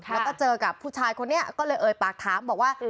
แล้วก็เจอกับผู้ชายคนนี้ก็เลยเอ่ยปากถามบอกว่า